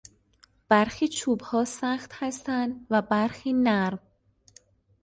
برخی چوبها سخت هستند و برخی نرم.